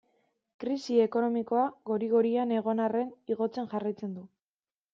Krisi ekonomikoa gori-gorian egon arren igotzen jarraitzen du.